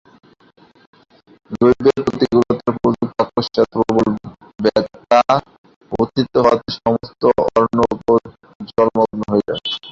দৈবের প্রতিকূলতা প্রযুক্ত অকস্মাৎ প্রবল বাত্যা উত্থিত হওয়াতে সমস্ত অর্ণবপোত জলমগ্ন হইল।